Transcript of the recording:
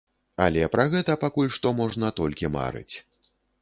Але пра гэта пакуль што можна толькі марыць.